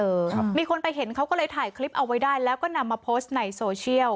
ครับมีคนไปเห็นเขาก็เลยถ่ายคลิปเอาไว้ได้แล้วก็นำมาโพสต์ในโซเชียล